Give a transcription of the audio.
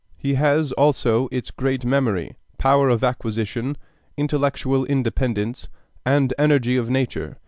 He has also its great memory, power of acquisition, intellectual independence, and energy of nature.